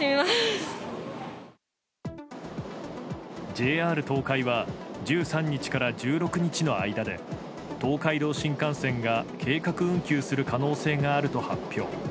ＪＲ東海は１３日から１６日の間で東海道新幹線が計画運休する可能性があると発表。